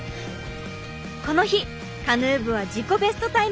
この日カヌー部は自己ベストタイムを連発！